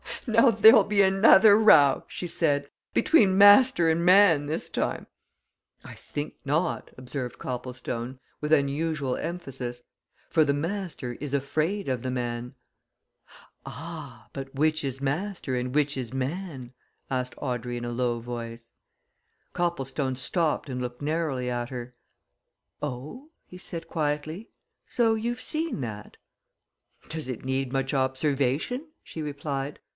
"Now there'll be another row!" she said. "Between master and man this time." "I think not!" observed Copplestone, with unusual emphasis. "For the master is afraid of the man." "Ah! but which is master and which is man?" asked Audrey in a low voice. Copplestone stopped and looked narrowly at her. "Oh?" he said quietly, "so you've seen that?" "Does it need much observation?" she replied.